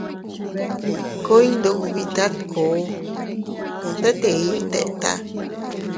Ku iyndubitat uu, tet ii iyndeta.